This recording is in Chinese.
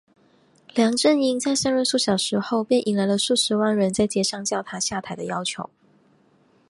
梁振英在上任数小时后便迎来数十万人在街上叫他下台的要求。